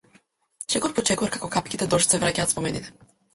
Чекот по чекор како капките дожд се враќаат спомените.